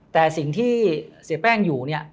แต่สิ่งที่เสียแป้งอยู่เนี่ย